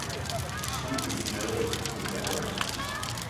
She is married to Edward.